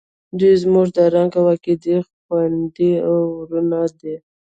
دوئ زموږ د رنګ او عقیدې خویندې او ورونه دي.